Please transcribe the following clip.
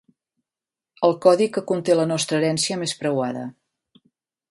El codi que conté la nostra herència més preuada.